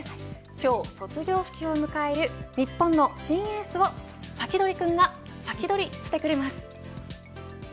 今日、卒業式を迎える日本の新エースをサキドリくんがサキドリしてくれます。